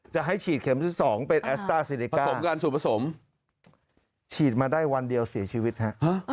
จะให้ฉีดเข็มที่๒เป็นแอสต้าซิลิกาสมกันสูตรผสมฉีดมาได้วันเดียวเสียชีวิตฮะ